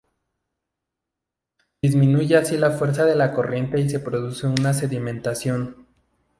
Disminuye así la fuerza de la corriente y se produce una sedimentación.